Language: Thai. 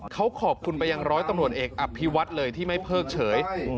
เขาขอบคุณไปยังร้อยตำรวจเอกอภิวัฒน์เลยที่ไม่เพิกเฉย